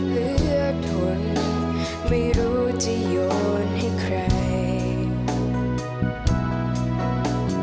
เหลือถวดไม่รู้จะโยนให้ใคร